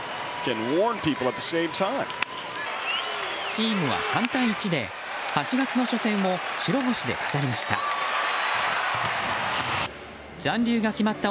チームは３対１で８月の初戦を白星で飾りました。